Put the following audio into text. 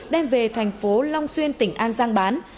đem về thành phố long xuyên tỉnh an giang bán